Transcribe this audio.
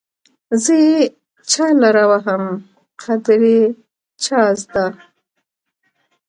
زه يې چالره وهم قدر يې چازده